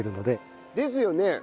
ですよね。